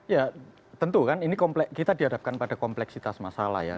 ya tentu kan ini kita dihadapkan pada kompleksitas masalah ya